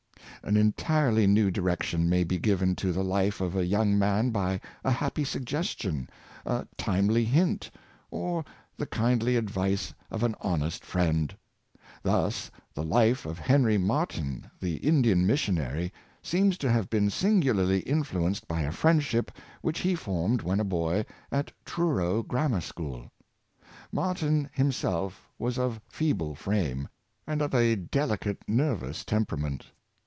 *" An entirely new direction may be given to the life of a young man by a happy suggestion, a timely hint, or the kindly advice of an honest friend. Thus the life of Henry Martyn, the Indian missionary, seems to have been singularly influenced by a friendship which he formed, when a boy, at Truro Grammar School. Mar tyn himself was of feeble frame, and of a delicate, nerv ous temperament.